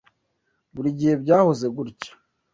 Buri gihe byahoze gutya. .